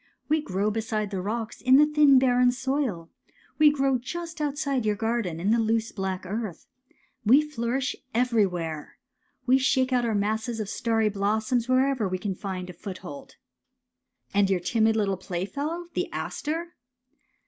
<< We grow beside the rocks in thin barren soil. We grow just outside your garden in the loose black earth. We flourish everywhere. We shake out our masses of starry blossoms wherever we can find a foothold. ''And your timid little playfellow, the aster?